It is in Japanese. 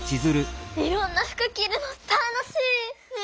いろんな服着るの楽しい！ね。